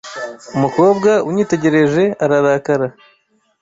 Umukobwa unyitegereje ararakara.